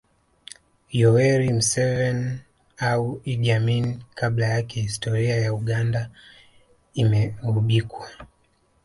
Yoweri Museveni au Idi Amin kabla yake historia ya Uganda imeghubikwa